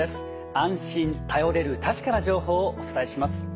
安心頼れる確かな情報をお伝えします。